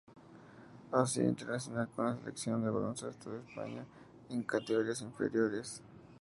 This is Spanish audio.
Ha sido internacional con la Selección de baloncesto de España en categorías inferiores.